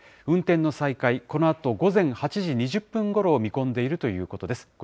運転の再開、このあと午前８時２０分ごろを見込んでいるということです。